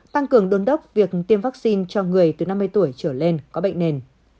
tăng cường đồn đốc việc tiêm vaccine cho người từ năm mươi tuổi trở lên có bệnh nền